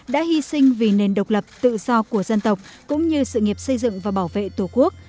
đã hy sinh vì nền độc lập tự do của dân tộc cũng như sự nghiệp xây dựng và bảo vệ tổ quốc